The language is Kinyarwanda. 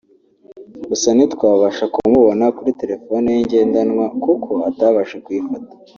gusa ntitwabasha kumubona kuri terefone ye ngendanwa kuko atabashije kuyifata